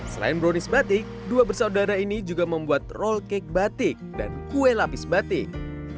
selain brownies batik dua bersaudara ini juga membuat roll cake batik dan kue lapis batik